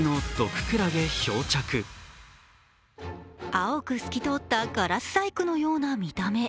青く透き通ったガラス細工のような見た目。